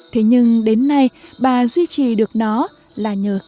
thế nhưng đến nay bà duy trì được nó là nhờ cái tâm